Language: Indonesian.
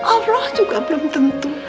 allah juga belum tentu